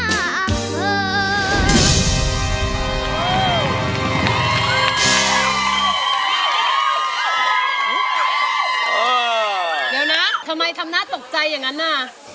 เดี๋ยวนะทำไมทำหน้าตกใจอย่างนั้นน่ะ